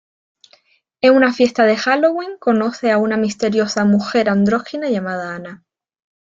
En una fiesta de Halloween conoce a una misteriosa mujer andrógina llamada Anna.